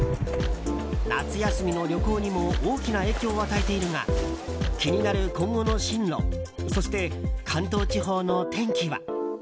夏休みの旅行にも大きな影響を与えているが気になる今後の進路そして関東地方の天気は。